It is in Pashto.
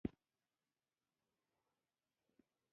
د بومي خلکو د یوې ډلې ترمنځ نوښتونه مروج و.